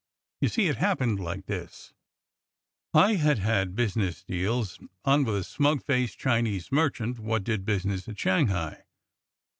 You see it happened like this: I had had business deals on with a smug faced Chinese merchant wot did business at Shanghai.